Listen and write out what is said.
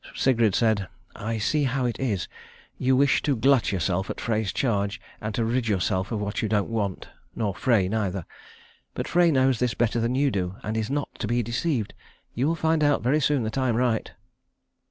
Sigrid said, "I see how it is. You wish to glut yourself at Frey's charge, and to rid yourself of what you don't want, nor Frey neither. But Frey knows this better than you do, and is not to be deceived. You will find out very soon that I am right."